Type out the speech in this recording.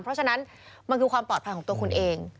เพราะฉะนั้นมันคือความปลอดภัยของตัวคุณเอง